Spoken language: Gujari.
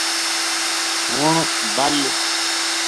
ہن بَل